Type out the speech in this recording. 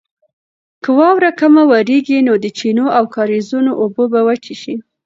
که واوره کمه وورېږي نو د چینو او کاریزونو اوبه به وچې شي.